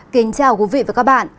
kính chào quý vị và các bạn